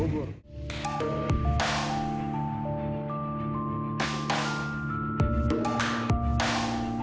gak tau saya juga diajak